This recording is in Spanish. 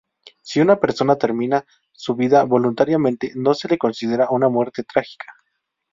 Si una persona termina su vida voluntariamente, no se la considera una muerte trágica.